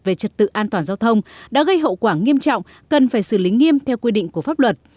về trật tự an toàn giao thông đã gây hậu quả nghiêm trọng cần phải xử lý nghiêm theo quy định của pháp luật